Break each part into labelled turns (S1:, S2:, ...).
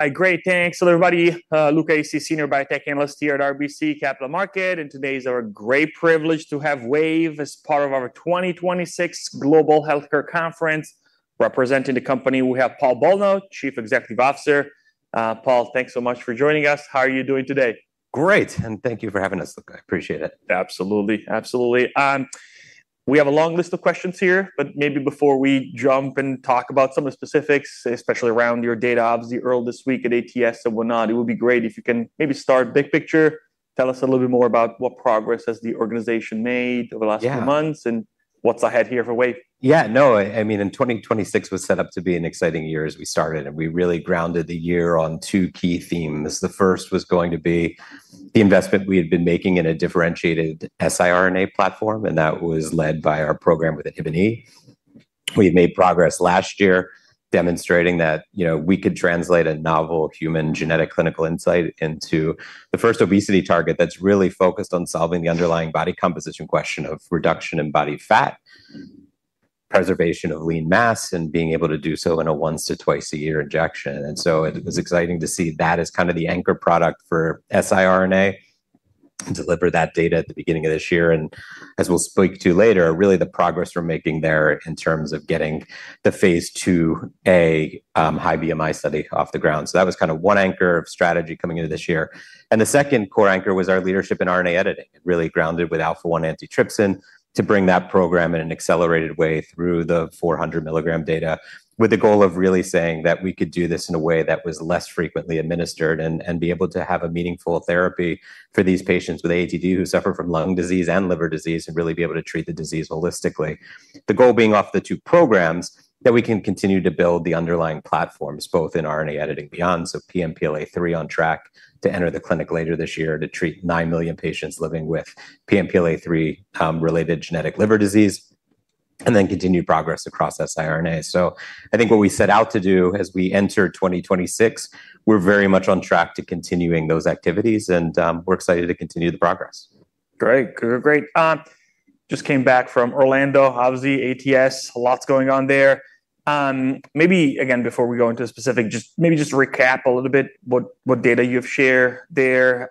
S1: Hi. Great. Thanks, everybody. Luca Issi, senior biotech analyst here at RBC Capital Markets. Today is our great privilege to have Wave as part of our 2026 RBC Capital Markets Global Healthcare Conference. Representing the company, we have Paul Bolno, Chief Executive Officer. Paul, thanks so much for joining us. How are you doing today?
S2: Great, thank you for having us, Luca. I appreciate it.
S1: Absolutely. Absolutely. We have a long list of questions here, maybe before we jump and talk about some of the specifics, especially around your data, obviously, earlier this week at ATS and whatnot, it would be great if you can maybe start big picture. Tell us a little bit more about what progress has the organization made over the last few months and what's ahead here for Wave.
S2: No, I mean, 2026 was set up to be an exciting year as we started. We really grounded the year on two key themes. The first was going to be the investment we had been making in a differentiated siRNA platform. That was led by our program with INHBE. We had made progress last year demonstrating that, you know, we could translate a novel human genetic clinical insight into the first obesity target that's really focused on solving the underlying body composition question of reduction in body fat, preservation of lean mass, and being able to do so in a once- to twice-a-year injection. It was exciting to see that as kind of the anchor product for siRNA, and deliver that data at the beginning of this year and, as we'll speak to later, really the progress we're making there in terms of getting the phase IIa high BMI study off the ground. That was kind of one anchor of strategy coming into this year. The second core anchor was our leadership in RNA editing, really grounded with alpha-1 antitrypsin, to bring that program in an accelerated way through the 400 mg data, with the goal of really saying that we could do this in a way that was less frequently administered and be able to have a meaningful therapy for these patients with AATD who suffer from lung disease and liver disease, and really be able to treat the disease holistically. The goal being off the two programs, that we can continue to build the underlying platforms, both in RNA editing beyond. PNPLA3 on track to enter the clinic later this year to treat 9 million patients living with PNPLA3 related genetic liver disease. Continued progress across siRNA. I think what we set out to do as we enter 2026, we're very much on track to continuing those activities, and we're excited to continue the progress.
S1: Great. Great. Just came back from Orlando, obviously ATS, lots going on there. Maybe again, before we go into specific, just recap a little bit what data you've shared there.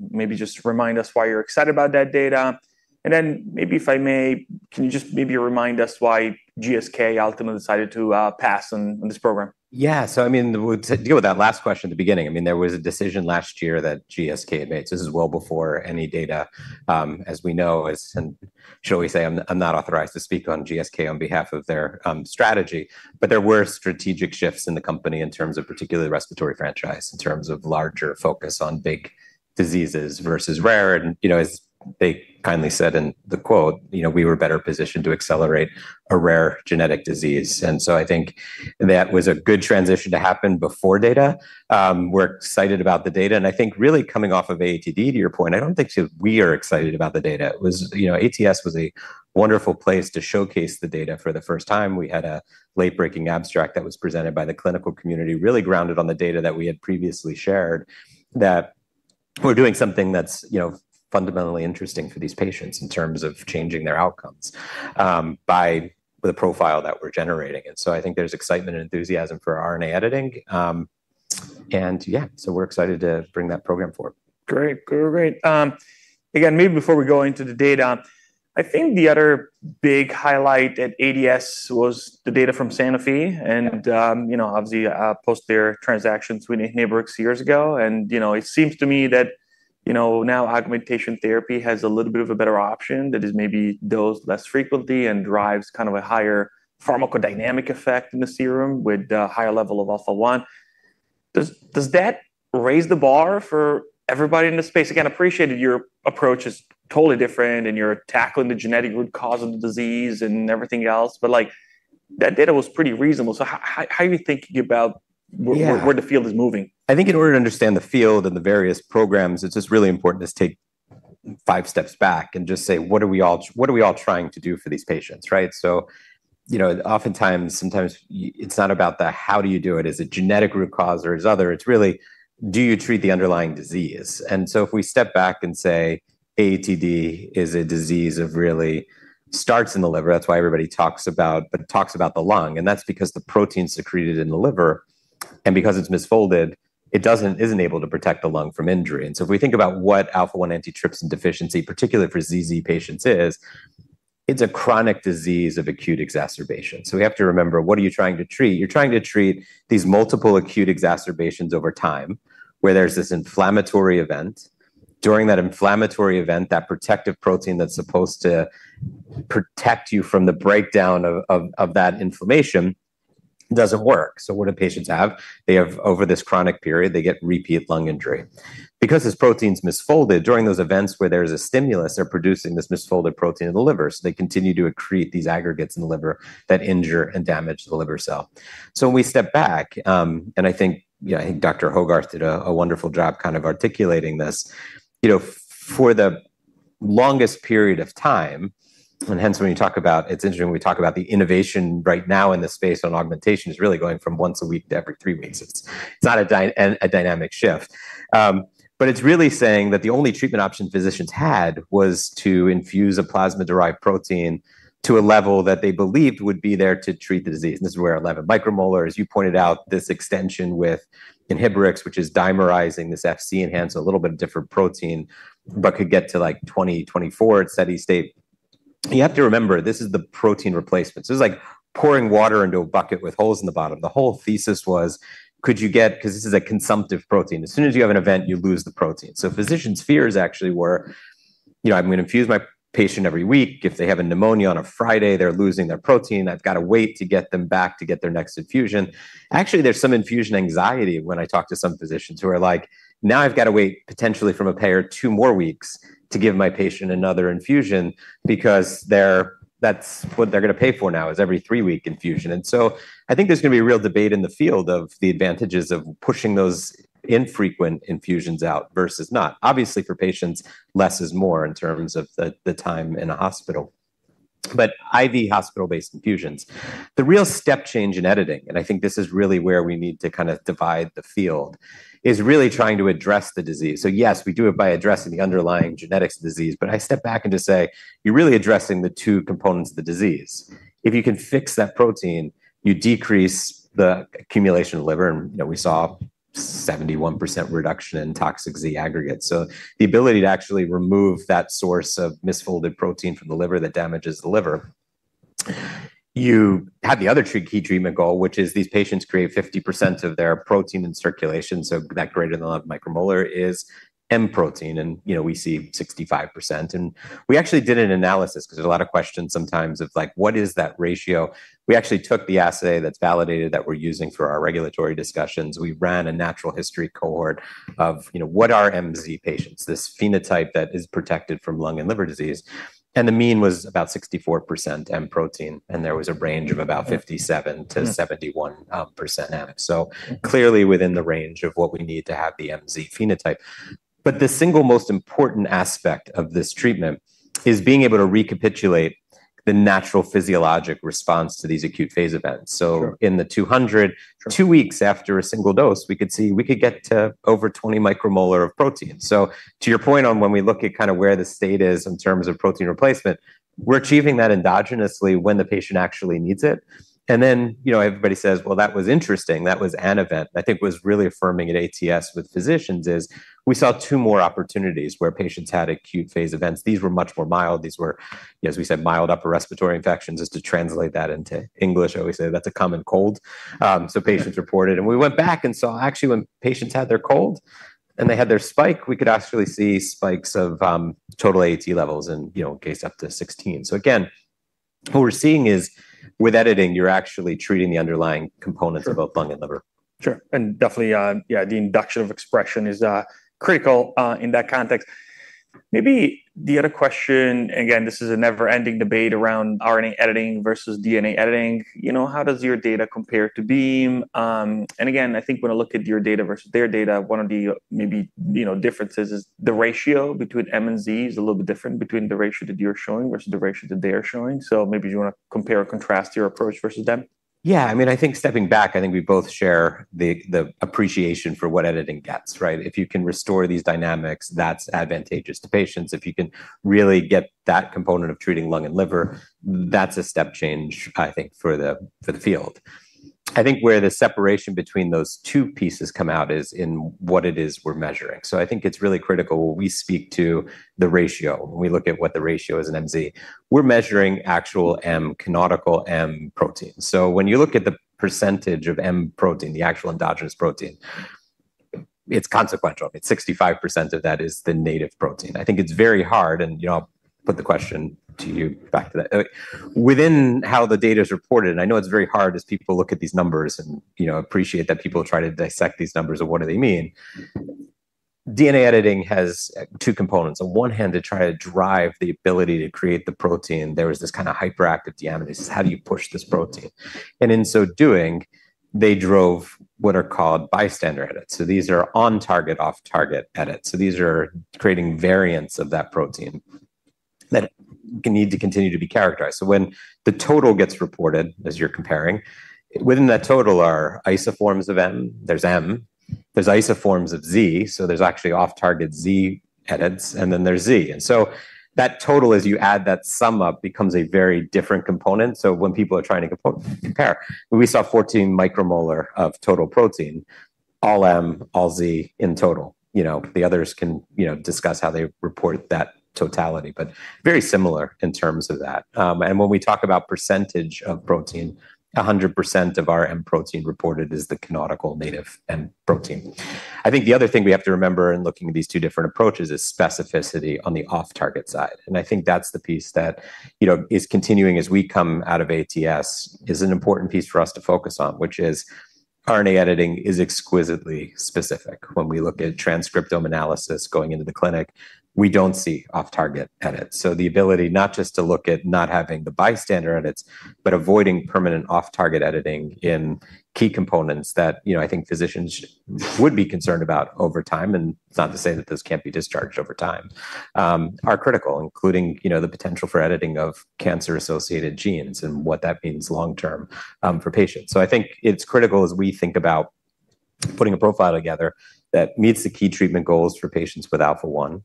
S1: Maybe just remind us why you're excited about that data. Then maybe if I may, can you just maybe remind us why GSK ultimately decided to pass on this program?
S2: Yeah. I mean, we'll deal with that last question at the beginning. I mean, there was a decision last year that GSK had made. This is well before any data, as we know, and shall we say, I'm not authorized to speak on GSK on behalf of their strategy. There were strategic shifts in the company in terms of particularly respiratory franchise, in terms of larger focus on big diseases versus rare. You know, as they kindly said in the quote, you know, we were better positioned to accelerate a rare genetic disease. I think that was a good transition to happen before data. We're excited about the data, and I think really coming off of AATD, to your point, I don't think we are excited about the data. You know, ATS was a wonderful place to showcase the data for the first time. We had a late-breaking abstract that was presented by the clinical community, really grounded on the data that we had previously shared, that we're doing something that's, you know, fundamentally interesting for these patients in terms of changing their outcomes by the profile that we're generating. I think there's excitement and enthusiasm for RNA editing. Yeah, we're excited to bring that program forward.
S1: Great. Great. Again, maybe before we go into the data, I think the other big highlight at ATS was the data from Sanofi, you know, obviously, post their transaction between inhibrx years ago. You know, it seems to me that, you know, now augmentation therapy has a little bit of a better option that is maybe dosed less frequently and drives kind of a higher pharmacodynamic effect in the serum with a higher level of Alpha-1. Does that raise the bar for everybody in this space? Again, appreciated your approach is totally different, you're tackling the genetic root cause of the disease and everything else. Like, that data was pretty reasonable. How are you thinking about where the field is moving?
S2: I think in order to understand the field and the various programs, it's just really important to take five steps back and just say, "What are we all trying to do for these patients?" Right? You know, oftentimes, sometimes it's not about the how do you do it. Is it genetic root cause or is other? It's really, do you treat the underlying disease? If we step back and say, AATD is a disease of really starts in the liver, that's why everybody talks about, but it talks about the lung, and that's because the protein's secreted in the liver, and because it's misfolded, it isn't able to protect the lung from injury. If we think about what Alpha-1 Antitrypsin Deficiency, particularly for ZZ patients, is, it's a chronic disease of acute exacerbation. We have to remember, what are you trying to treat? You're trying to treat these multiple acute exacerbations over time, where there's this inflammatory event. During that inflammatory event, that protective protein that's supposed to protect you from the breakdown of that inflammation doesn't work. What do patients have? They have, over this chronic period, they get repeat lung injury. Because this protein's misfolded, during those events where there's a stimulus, they're producing this misfolded protein in the liver. They continue to accrete these aggregates in the liver that injure and damage the liver cell. When we step back, and I think, you know, I think Dr. Hogarth did a wonderful job kind of articulating this. You know, for the longest period of time. It's interesting when we talk about the innovation right now in this space on augmentation is really going from once a week to every three weeks. It's not a dynamic shift. It's really saying that the only treatment option physicians had was to infuse a plasma-derived protein to a level that they believed would be there to treat the disease. This is where 11 μM, as you pointed out, this extension with Inhibrx, which is dimerizing this Fc enhancer, a little bit different protein, but could get to like 20-24 at steady state. You have to remember, this is the protein replacement. This is like pouring water into a bucket with holes in the bottom. The whole thesis was, could you get? Because this is a consumptive protein. As soon as you have an event, you lose the protein. Physicians' fears actually were, you know, I'm going to infuse my patient every week. If they have a pneumonia on a Friday, they're losing their protein. I've got to wait to get them back to get their next infusion. There's some infusion anxiety when I talk to some physicians who are like, "Now I've got to wait potentially from a payer two more weeks to give my patient another infusion because that's what they're going to pay for now, is every three-week infusion." I think there's going to be a real debate in the field of the advantages of pushing those infrequent infusions out versus not. Obviously, for patients, less is more in terms of the time in a hospital. IV hospital-based infusions, the real step change in editing, and I think this is really where we need to kind of divide the field, is really trying to address the disease. Yes, we do it by addressing the underlying genetics disease, but I step back and just say, you're really addressing the two components of the disease. If you can fix that protein, you decrease the accumulation of liver, and, you know, we saw 71% reduction in toxic Z aggregates. The ability to actually remove that source of misfolded protein from the liver that damages the liver. You have the other key treatment goal, which is these patients create 50% of their protein in circulation, so that greater than 1 μM is M protein and, you know, we see 65%. We actually did an analysis because there's a lot of questions sometimes of like, what is that ratio? We actually took the assay that's validated that we're using for our regulatory discussions. We ran a natural history cohort of, you know, what are MZ patients, this phenotype that is protected from lung and liver disease. The mean was about 64% M protein, and there was a range of about 57%-71% M. Clearly within the range of what we need to have the MZ phenotype. The single most important aspect of this treatment is being able to recapitulate the natural physiologic response to these acute phase events. In the 200, two weeks after a single dose, we could see we could get to over 20 μM of protein. To your point on when we look at kind of where the state is in terms of protein replacement, we're achieving that endogenously when the patient actually needs it. You know, everybody says, "Well, that was interesting. That was an event." I think was really affirming at ATS with physicians is we saw two more opportunities where patients had acute phase events. These were much more mild. These were, as we said, mild upper respiratory infections. To translate that into English, I always say that's a common cold. Patients reported. We went back and saw actually when patients had their cold and they had their spike, we could actually see spikes of total AT levels and, you know, in one case up to 16. Again, what we're seeing is with editing, you're actually treating the underlying components of both lung and liver.
S1: Sure. Definitely, yeah, the induction of expression is critical in that context. Maybe the other question, again, this is a never-ending debate around RNA editing versus DNA editing. You know, how does your data compare to Beam? Again, I think when I look at your data versus their data, one of the maybe, you know, differences is the ratio between M and Z is a little bit different between the ratio that you're showing versus the ratio that they are showing. Maybe do you want to compare or contrast your approach versus them?
S2: Yeah. I mean, I think stepping back, I think we both share the appreciation for what editing gets, right? If you can restore these dynamics, that's advantageous to patients. If you can really get that component of treating lung and liver, that's a step change, I think, for the field. I think where the separation between those two pieces come out is in what it is we're measuring. I think it's really critical when we speak to the ratio, when we look at what the ratio is in MZ. We're measuring actual M, canonical M protein. When you look at the percentage of M protein, the actual endogenous protein, it's consequential. It's 65% of that is the native protein. I think it's very hard, and, you know, I'll put the question to you back to that. Within how the data is reported, I know it's very hard as people look at these numbers and, you know, appreciate that people try to dissect these numbers of what do they mean. DNA editing has two components. On one hand, to try to drive the ability to create the protein, there was this kind of hyperactive deaminase. This is how do you push this protein. In so doing, they drove what are called bystander edits. These are on-target, off-target edits. These are creating variants of that protein that need to continue to be characterized. When the total gets reported, as you're comparing, within that total are isoforms of M, there's M, there's isoforms of Z, so there's actually off target Z edits, and then there's Z. That total, as you add that sum up, becomes a very different component. When people are trying to compare. When we saw 14 μM of total protein, all M, all Z in total, you know, the others can, you know, discuss how they report that totality, but very similar in terms of that. When we talk about % of protein, 100% of our M protein reported is the canonical native M protein. I think the other thing we have to remember in looking at these two different approaches is specificity on the off target side. I think that's the piece that, you know, is continuing as we come out of ATS is an important piece for us to focus on, which is RNA editing is exquisitely specific. When we look at transcriptome analysis going into the clinic, we don't see off target edits. The ability not just to look at not having the bystander edits, but avoiding permanent off target editing in key components that, you know, I think physicians would be concerned about over time, and it's not to say that this can't be discharged over time, are critical, including, you know, the potential for editing of cancer-associated genes and what that means long term for patients. I think it's critical as we think about putting a profile together that meets the key treatment goals for patients with Alpha-1,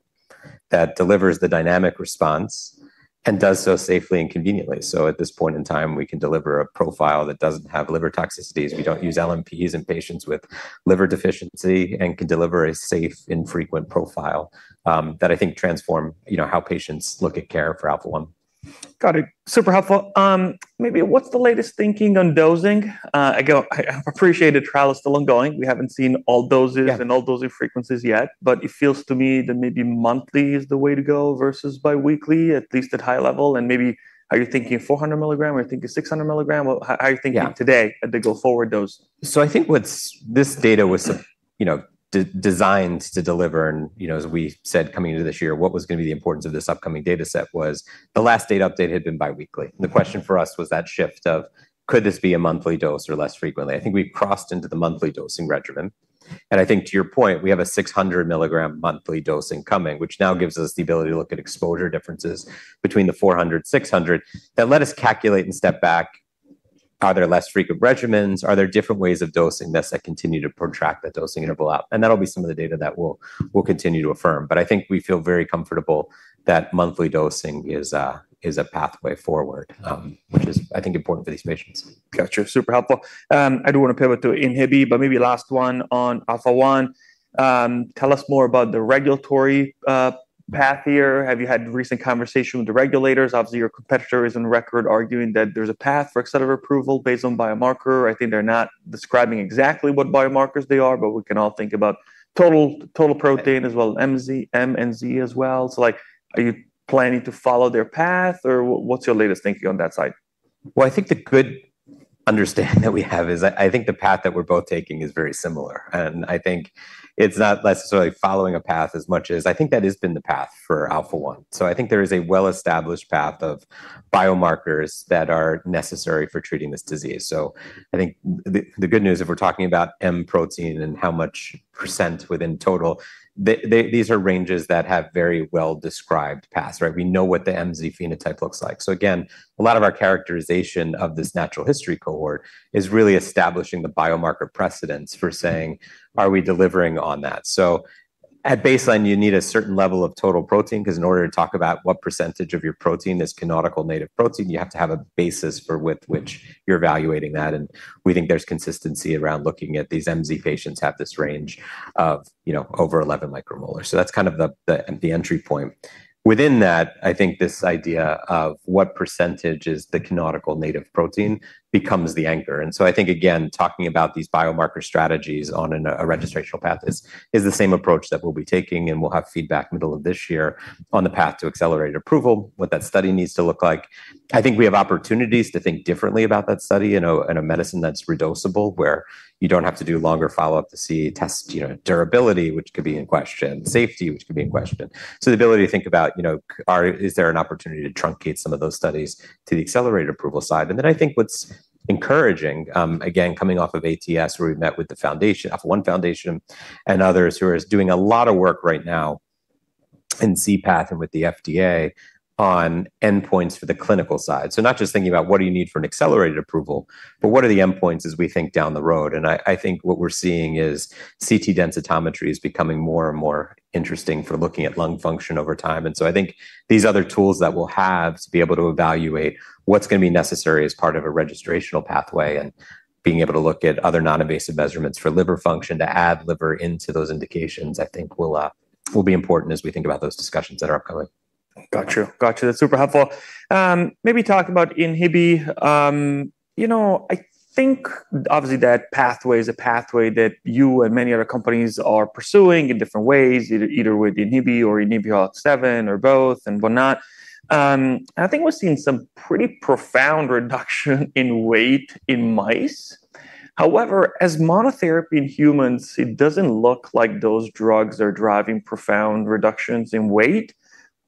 S2: that delivers the dynamic response, and does so safely and conveniently. At this point in time, we can deliver a profile that doesn't have liver toxicities. We don't use LNPs in patients with liver deficiency and can deliver a safe and frequent profile that I think transform, you know, how patients look at care for Alpha-1.
S1: Got it. Super helpful. Maybe what's the latest thinking on dosing? Again, I appreciate the trial is still ongoing. We haven't seen all doses. All dosing frequencies yet, but it feels to me that maybe monthly is the way to go versus bi-weekly, at least at high level. Maybe are you thinking 400 mg? Are you thinking 600 mg? How are you thinking today? At the go-forward dose?
S2: I think what's this data was, you know, designed to deliver and, you know, as we said, coming into this year, what was gonna be the importance of this upcoming data set was the last data update had been bi-weekly. The question for us was that shift of could this be a monthly dose or less frequently? I think we've crossed into the monthly dosing regimen. I think to your point, we have a 600 mg monthly dosing coming, which now gives us the ability to look at exposure differences between the 400, 600 that let us calculate and step back, are there less frequent regimens? Are there different ways of dosing this that continue to protract that dosing interval out? That'll be some of the data that we'll continue to affirm. I think we feel very comfortable that monthly dosing is a pathway forward, which is, I think, important for these patients.
S1: Gotcha. Super helpful. I do wanna pivot to INHBE, but maybe last one on Alpha-1. Tell us more about the regulatory path here. Have you had recent conversation with the regulators? Obviously, your competitor is on record arguing that there's a path for accelerated approval based on biomarker. I think they're not describing exactly what biomarkers they are, but we can all think about total protein as well as MZ, M and Z as well. Are you planning to follow their path, or what's your latest thinking on that side?
S2: I think the good understanding that we have is I think the path that we're both taking is very similar. I think it's not necessarily following a path as much as I think that has been the path for Alpha-1. I think there is a well-established path of biomarkers that are necessary for treating this disease. I think the good news, if we're talking about M protein and how much % within total, these are ranges that have very well-described paths, right? We know what the MZ phenotype looks like. Again, a lot of our characterization of this natural history cohort is really establishing the biomarker precedence for saying, are we delivering on that? At baseline, you need a certain level of total protein because in order to talk about what % of your protein is canonical native protein, you have to have a basis for with which you're evaluating that. We think there's consistency around looking at these MZ patients have this range of, you know, over 11 μM. That's kind of the entry point. Within that, I think this idea of what % is the canonical native protein becomes the anchor. I think, again, talking about these biomarker strategies on a registrational path is the same approach that we'll be taking, and we'll have feedback middle of this year on the path to accelerated approval, what that study needs to look like. I think we have opportunities to think differently about that study in a, in a medicine that's redosable, where you don't have to do longer follow-up to see test, you know, durability, which could be in question, safety, which could be in question. The ability to think about, you know, is there an opportunity to truncate some of those studies to the accelerated approval side. I think what's encouraging, again, coming off of ATS, where we met with the foundation, Alpha-1 Foundation and others who are doing a lot of work right now in C-Path and with the FDA on endpoints for the clinical side. Not just thinking about what do you need for an accelerated approval, but what are the endpoints as we think down the road? I think what we're seeing is CT densitometry is becoming more and more interesting for looking at lung function over time. I think these other tools that we'll have to be able to evaluate what's gonna be necessary as part of a registrational pathway and being able to look at other non-invasive measurements for liver function to add liver into those indications, I think will be important as we think about those discussions that are upcoming.
S1: Got you. Got you. That's super helpful. Maybe talk about INHBE. You know, I think obviously that pathway is a pathway that you and many other companies are pursuing in different ways, either with INHBE or INHBE ALK7 or both and whatnot. I think we're seeing some pretty profound reduction in weight in mice. However, as monotherapy in humans, it doesn't look like those drugs are driving profound reductions in weight.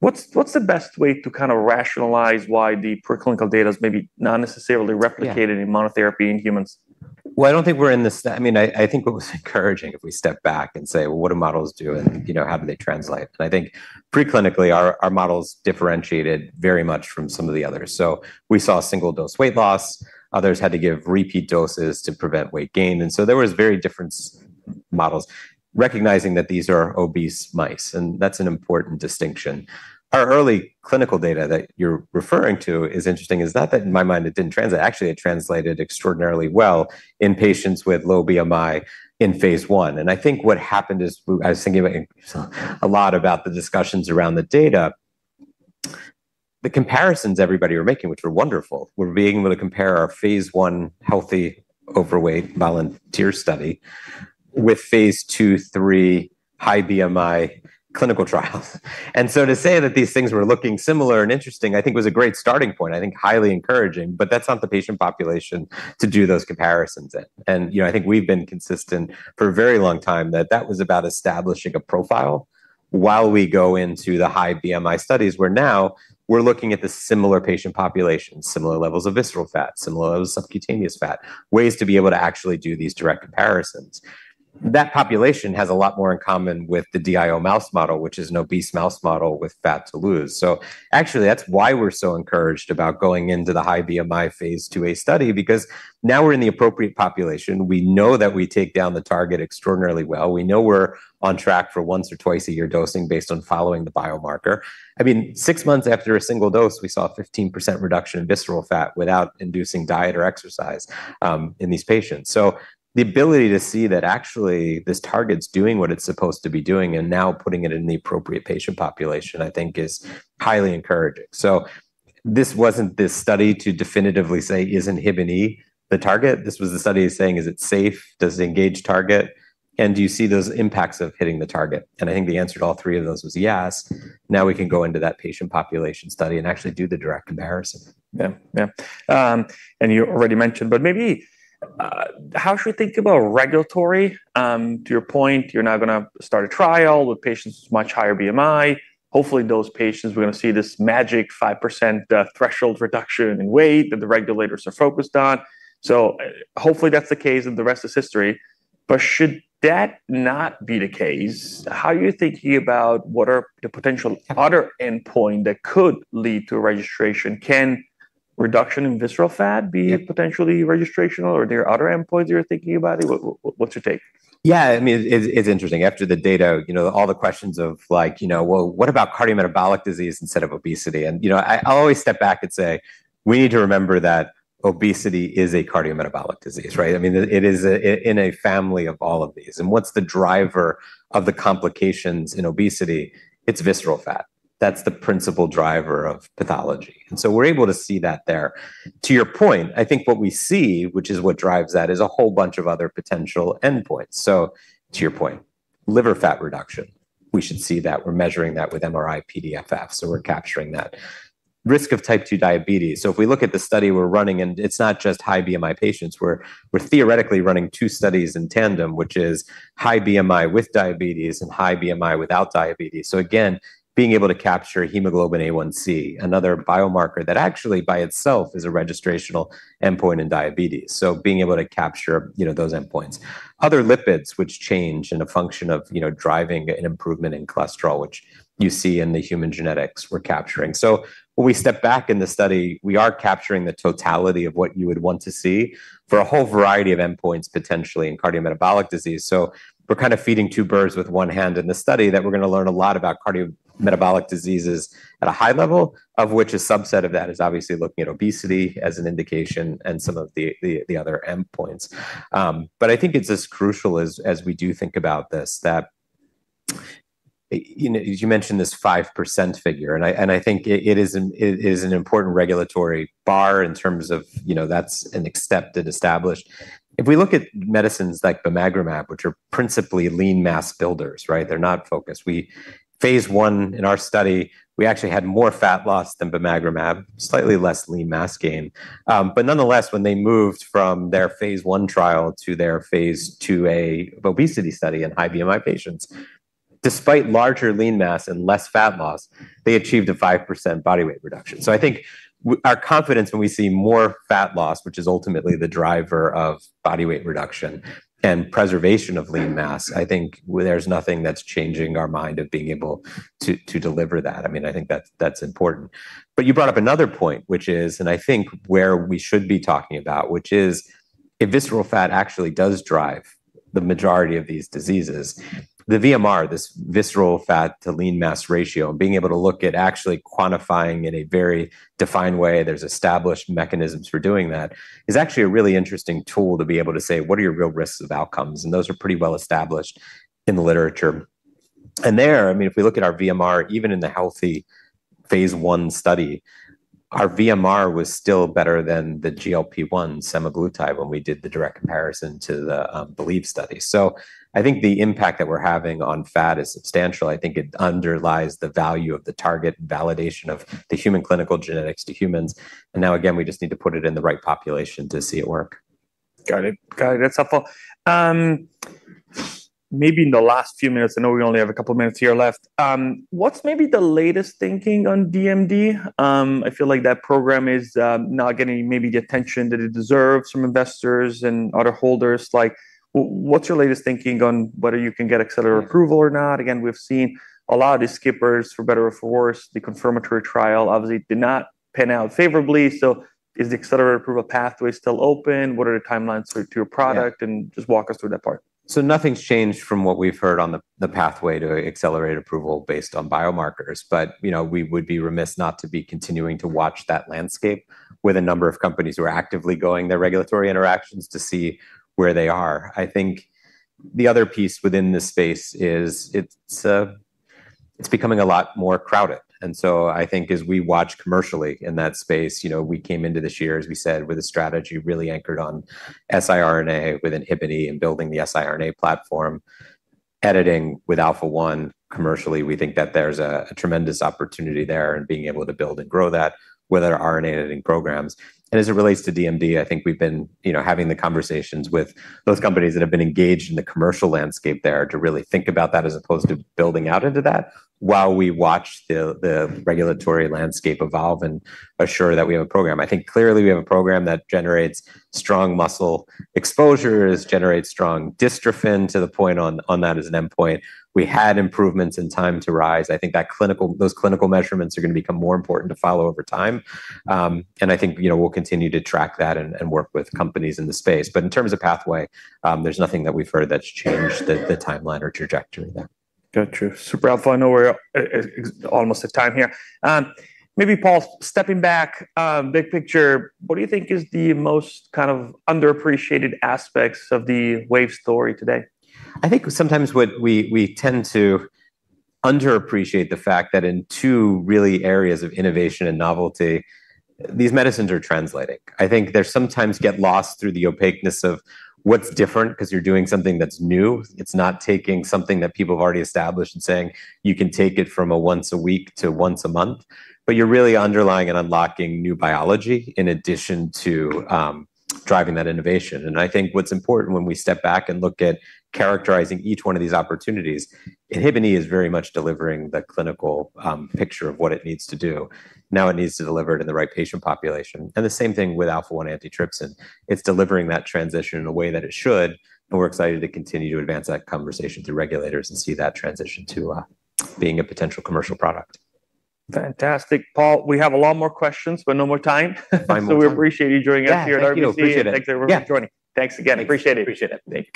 S1: What's the best way to kinda rationalize why the preclinical data is maybe not necessarily replicated? In monotherapy in humans?
S2: Well, I don't think we're in the I mean, I think what was encouraging if we step back and say, "Well, what do models do?" You know, how do they translate? I think preclinically, our models differentiated very much from some of the others. We saw single-dose weight loss. Others had to give repeat doses to prevent weight gain. There was very different models, recognizing that these are obese mice, and that's an important distinction. Our early clinical data that you're referring to is interesting. It's not that in my mind it didn't translate. Actually, it translated extraordinarily well in patients with low BMI in phase I. I think what happened is I was thinking about a lot about the discussions around the data, the comparisons everybody were making, which were wonderful. We're being able to compare our phase I healthy overweight volunteer study with phase II, III high BMI clinical trials. To say that these things were looking similar and interesting, I think was a great starting point, I think highly encouraging, but that's not the patient population to do those comparisons in. You know, I think we've been consistent for a very long time that that was about establishing a profile while we go into the high BMI studies, where now we're looking at the similar patient population, similar levels of visceral fat, similar levels of subcutaneous fat, ways to be able to actually do these direct comparisons. That population has a lot more in common with the DIO mouse model, which is an obese mouse model with fat to lose. Actually, that's why we're so encouraged about going into the high BMI phase IIa study because now we're in the appropriate population. We know that we take down the target extraordinarily well. We know we're on track for once or twice a year dosing based on following the biomarker. I mean, six months after a single dose, we saw a 15% reduction in visceral fat without inducing diet or exercise in these patients. The ability to see that actually this target's doing what it's supposed to be doing and now putting it in the appropriate patient population, I think is highly encouraging. This wasn't the study to definitively say isn't INHBE the target. This was the study saying, is it safe? Does it engage target? Do you see those impacts of hitting the target? I think the answer to all three of those was yes. Now we can go into that patient population study and actually do the direct comparison.
S1: Yeah. Yeah. You already mentioned, but maybe, how should we think about regulatory? To your point, you're now gonna start a trial with patients with much higher BMI. Hopefully, those patients, we're gonna see this magic 5% threshold reduction in weight that the regulators are focused on. Hopefully that's the case and the rest is history. Should that not be the case, how are you thinking about what are the potential other endpoint that could lead to a registration? Can reduction in visceral fat be potentially registrational, or are there other endpoints you're thinking about? What's your take?
S2: Yeah, I mean, it's interesting. After the data, you know, all the questions of, like, you know, Well, what about cardiometabolic disease instead of obesity? You know, I always step back and say, we need to remember that obesity is a cardiometabolic disease, right? I mean, it is in a family of all of these. What's the driver of the complications in obesity? It's visceral fat. That's the principal driver of pathology. We're able to see that there. To your point, I think what we see, which is what drives that, is a whole bunch of other potential endpoints. To your point, liver fat reduction, we should see that. We're measuring that with MRI-PDFF, so we're capturing that. Risk of type 2 diabetes. If we look at the study we're running, and it's not just high BMI patients. We're theoretically running two studies in tandem, which is high BMI with diabetes and high BMI without diabetes. Again, being able to capture hemoglobin A1C, another biomarker that actually by itself is a registrational endpoint in diabetes. Being able to capture, you know, those endpoints. Other lipids which change in a function of, you know, driving an improvement in cholesterol, which you see in the human genetics we're capturing. When we step back in the study, we are capturing the totality of what you would want to see for a whole variety of endpoints, potentially in cardiometabolic disease. We're kind of feeding two birds with one hand in the study that we're going to learn a lot about cardiometabolic diseases at a high level, of which a subset of that is obviously looking at obesity as an indication and some of the other endpoints. I think it's as crucial as we do think about this, that, you know, you mentioned this 5% figure, and I think it is an important regulatory bar in terms of, you know, that's an accepted established. If we look at medicines like bimagrumab, which are principally lean mass builders, right, they're not focused. Phase I in our study, we actually had more fat loss than bimagrumab, slightly less lean mass gain. Nonetheless, when they moved from their phase I trial to their phase IIa obesity study in high BMI patients, despite larger lean mass and less fat loss, they achieved a 5% body weight reduction. I think our confidence when we see more fat loss, which is ultimately the driver of body weight reduction and preservation of lean mass, I think there's nothing that's changing our mind of being able to deliver that. I mean, I think that's important. You brought up another point, which is, and I think where we should be talking about, which is if visceral fat actually does drive the majority of these diseases, the VMR, this visceral fat to lean mass ratio, and being able to look at actually quantifying in a very defined way, there's established mechanisms for doing that, is actually a really interesting tool to be able to say, what are your real risks of outcomes? Those are pretty well established in the literature. I mean, if we look at our VMR, even in the healthy phase I study, our VMR was still better than the GLP-1 semaglutide when we did the direct comparison to the BELIEVE study. I think the impact that we're having on fat is substantial. I think it underlies the value of the target validation of the human clinical genetics to humans. Now, again, we just need to put it in the right population to see it work.
S1: Got it. Got it. That's helpful. Maybe in the last few minutes, I know we only have a couple of minutes here left, what's maybe the latest thinking on DMD? I feel like that program is not getting maybe the attention that it deserves from investors and other holders. What's your latest thinking on whether you can get accelerated approval or not? Again, we've seen a lot of these skippers, for better or for worse. The confirmatory trial obviously did not pan out favorably. Is the accelerated approval pathway still open? What are the timelines for your product? Just walk us through that part.
S2: Nothing's changed from what we've heard on the pathway to accelerated approval based on biomarkers. You know, we would be remiss not to be continuing to watch that landscape with a number of companies who are actively going their regulatory interactions to see where they are. I think the other piece within this space is it's becoming a lot more crowded. I think as we watch commercially in that space, you know, we came into this year, as we said, with a strategy really anchored on siRNA with INHBE and building the siRNA platform, editing with alpha-1 commercially. We think that there's a tremendous opportunity there in being able to build and grow that with our RNA editing programs. As it relates to DMD, I think we've been, you know, having the conversations with those companies that have been engaged in the commercial landscape there to really think about that as opposed to building out into that while we watch the regulatory landscape evolve and assure that we have a program. I think clearly we have a program that generates strong muscle exposures, generates strong dystrophin to the point on that as an endpoint. We had improvements in Time to Rise. I think those clinical measurements are going to become more important to follow over time. I think, you know, we'll continue to track that and work with companies in the space. In terms of pathway, there's nothing that we've heard that's changed the timeline or trajectory there.
S1: Got you. Super helpful. I know we're almost at time here. Maybe, Paul, stepping back, big picture, what do you think is the most kind of underappreciated aspects of the Wave story today?
S2: I think sometimes what we tend to underappreciate the fact that in two really areas of innovation and novelty, these medicines are translating. I think they sometimes get lost through the opaqueness of what's different because you're doing something that's new. It's not taking something that people have already established and saying, you can take it from a once a week to once a month, you're really underlying and unlocking new biology in addition to driving that innovation. I think what's important when we step back and look at characterizing each one of these opportunities, INHBE is very much delivering the clinical picture of what it needs to do. Now it needs to deliver it in the right patient population. The same thing with alpha-1 antitrypsin. It's delivering that transition in a way that it should, and we're excited to continue to advance that conversation through regulators and see that transition to being a potential commercial product.
S1: Fantastic. Paul, we have a lot more questions, but no more time.
S2: Buy more time.
S1: We appreciate you joining us here at RBC.
S2: Yeah. Thank you. Appreciate it.
S1: Thanks, everyone, for joining.
S2: Yeah.
S1: Thanks again. Appreciate it.
S2: Appreciate it. Thank you.